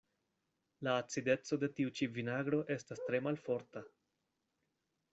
La acideco de tiu ĉi vinagro estas tre malforta.